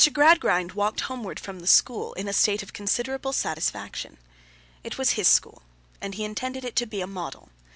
GRADGRIND walked homeward from the school, in a state of considerable satisfaction. It was his school, and he intended it to be a model.